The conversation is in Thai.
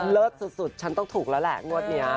เยอะเยอะสุดฉันต้องถูกแล้วแหละงวดเนี้ย